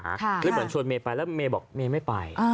หรือเหมือนชวนเมย์ไปแล้วเมย์บอกเมย์ไม่ไป